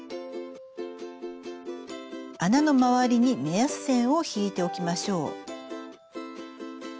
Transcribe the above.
穴の周りに目安線を引いておきましょう。